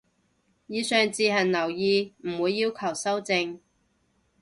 以上自行留意，唔會要求修正